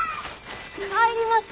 帰ります！